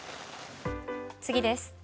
次です。